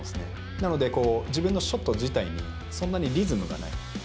なので、自分のショット自体に、そんなにリズムがない。